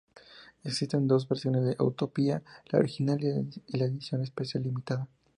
Existen dos versiones de "Utopia": la original y la edición especial limitada.